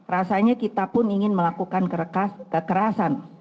rasanya kita pun ingin melakukan kekerasan